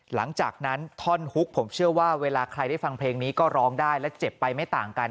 หลังจากนั้นท่อนฮุกผมเชื่อว่าเวลาใครได้ฟังเพลงนี้ก็ร้องได้และเจ็บไปไม่ต่างกัน